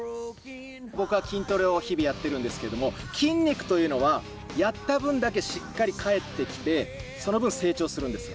僕は筋トレを日々やっているんですけど、筋肉というのはやった分だけしっかり返ってきて、その分、成長するんですよ。